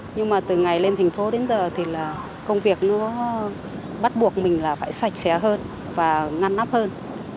nhưng mà từ ngày lên thành phố đến giờ thì là công việc nó bắt buộc mình là phải sạch sẽ hơn và ngăn nắp hơn